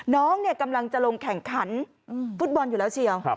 น้องกำลังจะลงแข่งขันฟุตบอลอยู่แล้วเชียว